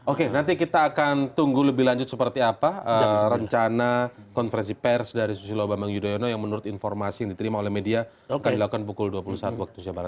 oke nanti kita akan tunggu lebih lanjut seperti apa rencana konferensi pers dari susilo bambang yudhoyono yang menurut informasi yang diterima oleh media akan dilakukan pukul dua puluh satu waktu